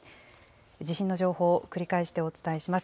地震の情報、繰り返してお伝えします。